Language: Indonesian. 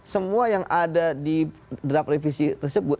semua yang ada di draft revisi tersebut